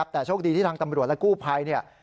แต่โชคดีที่ทางตำรวจและกู้ภัย